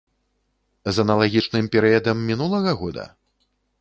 З аналагічным перыядам мінулага года?